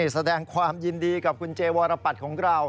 แสดงความยินดีกับคุณเจวรปัตรของเรา